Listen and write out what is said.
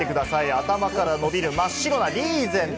頭から伸びる真っ白なリーゼント。